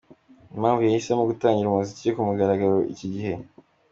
com impamvu yahisemo gutangira umuziki ku mugaragaro iki gihe.